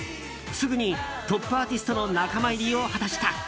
すぐにトップアーティストの仲間入りを果たした。